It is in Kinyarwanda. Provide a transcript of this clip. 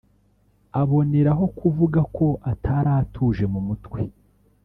aboneraho kuvuga ko atari atuje mu mutwe